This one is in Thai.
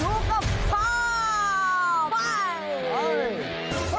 ดูกับพ่อ